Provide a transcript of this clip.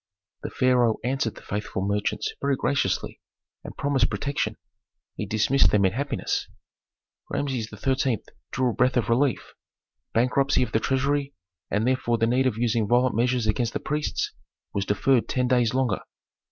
The pharaoh answered the faithful merchants very graciously, and promised protection. He dismissed them in happiness. Rameses XIII. drew a breath of relief: bankruptcy of the treasury, and therefore the need of using violent measures against the priests was deferred ten days longer.